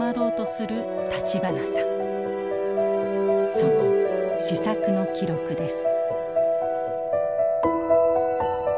その思索の記録です。